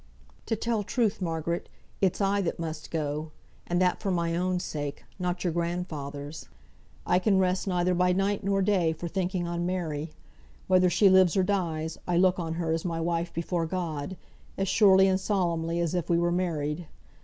"To tell truth, Margaret, it's I that must go, and that for my own sake, not your grandfather's. I can rest neither by night nor day for thinking on Mary. Whether she lives or dies I look on her as my wife before God, as surely and solemnly as if we were married.